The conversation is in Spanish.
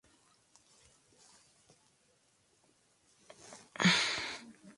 Esta circunstancia motivó que las monjas del Carmelo fueran llamadas a ocupar el convento.